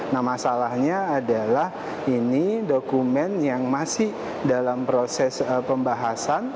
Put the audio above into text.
nah masalahnya adalah ini dokumen yang masih dalam proses pembahasan